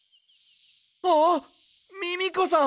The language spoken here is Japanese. ああっミミコさん！